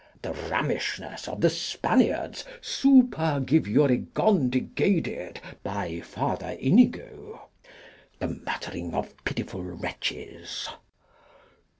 The Rammishness of the Spaniards supergivuregondigaded by Friar Inigo. The Muttering of Pitiful Wretches.